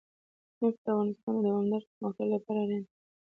نفت د افغانستان د دوامداره پرمختګ لپاره اړین دي.